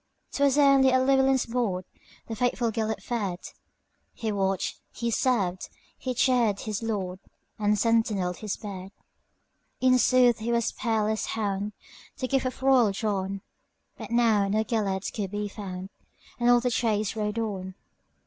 'T was only at Llewelyn's boardThe faithful Gêlert fed; He watched, he served, he cheered his lord, And sentineled his bed.In sooth he was a peerless hound, The gift of royal John; But now no Gêlert could be found, And all the chase rode on.